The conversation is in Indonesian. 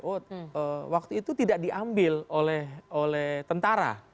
oh waktu itu tidak diambil oleh tentara